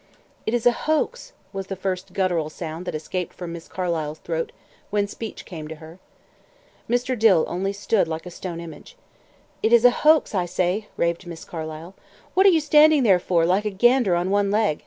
"It is a hoax," was the first gutteral sound that escaped from Miss Carlyle's throat when speech came to her. Mr. Dill only stood like a stone image. "It is a hoax, I say," raved Miss Carlyle. "What are you standing there for, like a gander on one leg?"